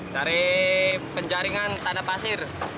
dari penjaringan tanah pasir